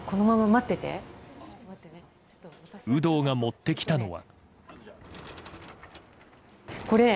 有働が持ってきたのは。